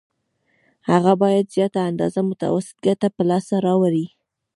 هغه باید زیاته اندازه متوسطه ګټه په لاس راوړي